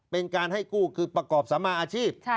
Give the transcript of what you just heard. เป็นการให้กู้คือประกอบสมาอาชีพ